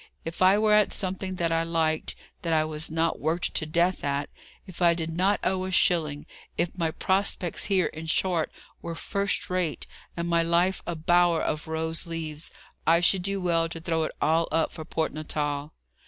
If I were at something that I liked, that I was not worked to death at; if I did not owe a shilling; if my prospects here, in short, were first rate, and my life a bower of rose leaves, I should do well to throw it all up for Port Natal."